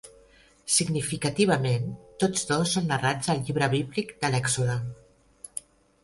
Significativament, tots dos són narrats al llibre bíblic de l'Èxode.